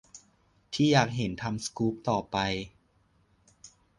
ที่อยากเห็นทำสกู๊ปต่อไป